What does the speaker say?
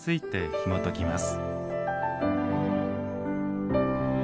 ひもときます。